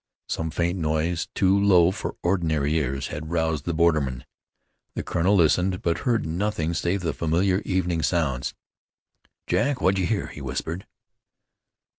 Some faint noise, too low for ordinary ears, had roused the borderman. The colonel listened, but heard nothing save the familiar evening sounds. "Jack, what'd you hear?" he whispered.